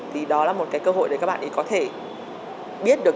thì đó là một cơ hội để các bạn có thể biết được